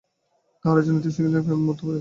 তাহারা জানিত শ্রীকৃষ্ণ প্রেমের মূর্ত বিগ্রহ।